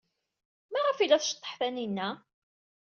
Maɣef ay la tceḍḍeḥ Taninna?